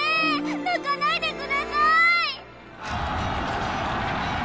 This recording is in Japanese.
泣かないでください！